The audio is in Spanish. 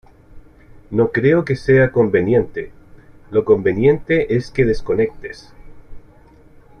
no creo que sea conveniente. lo conveniente es que desconectes